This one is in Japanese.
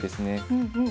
うんうん。